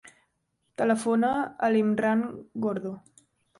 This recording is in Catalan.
Telefona a l'Imran Gordo.